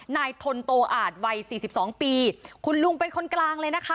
นายทนโตอาจวัยสี่สิบสองปีคุณลุงเป็นคนกลางเลยนะคะ